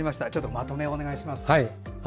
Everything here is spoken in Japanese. まとめをお願いします。